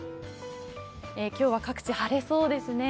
今日は各地晴れそうですね。